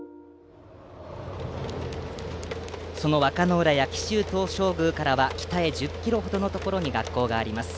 その和歌の浦や紀州東照宮からは北へ１０ｋｍ程のところに学校があります。